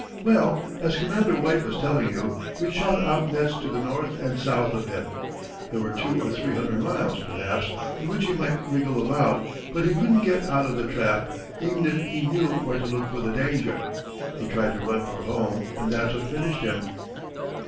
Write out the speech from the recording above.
"Well, as Commander White was telling you, we'd shot out nets to the north and south of him. There were two or three hundred miles, perhaps, in which he might wriggle about; but he couldn't get out of the trap, even if he knew where to look for the danger. He tried to run for home, and that's what finished him.